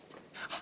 あ。